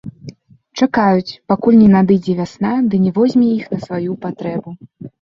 Чакаюць, пакуль не надыдзе вясна ды не возьме іх на сваю патрэбу.